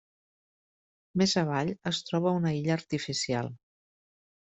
Més avall, es troba una illa artificial.